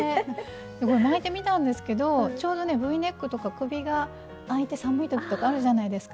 これ巻いてみたんですけどちょうどＶネックとか首があいて寒いときとかあるじゃないですか。